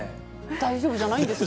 大丈夫じゃないんですか？